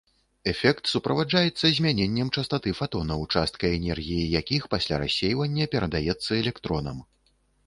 Эфект суправаджаецца змяненнем частаты фатонаў, частка энергіі якіх пасля рассейвання перадаецца электронам.